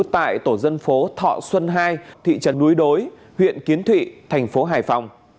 tại tổ dân phố thọ xuân hai thị trấn núi đối huyện kiến thụy thành phố hải phòng